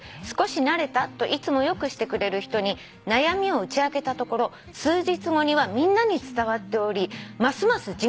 「『少し慣れた？』といつもよくしてくれる人に悩みを打ち明けたところ数日後にはみんなに伝わっておりますます